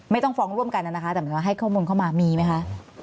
ไม่ต้องฟ้องร่วมกันนะคะแต่เหมือนว่าให้ข้อมูลเข้ามามีไหมคะ